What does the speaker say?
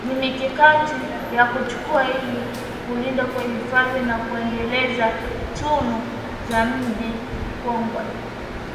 Ni mikakati ya kuchukua ili kulinda kuhifadhi na kuendeleza tunu za Mji Mkongwe